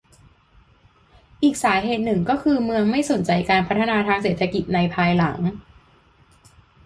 อีกสาเหตุหนึ่งก็คือเมืองไม่สนใจการพัฒนาทางเศรษฐกิจในภายหลัง